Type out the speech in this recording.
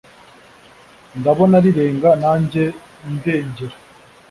Ndabona rirenga nanjye ndengera